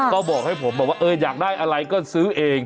ก็บอกให้ผมบอกว่าเอออยากได้อะไรก็ซื้อเอง